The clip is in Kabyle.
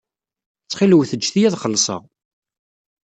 Ttxil-wet ǧǧet-iyi ad xellṣeɣ.